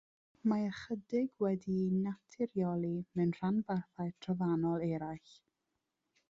Mae ychydig wedi'u naturioli mewn rhanbarthau trofannol eraill.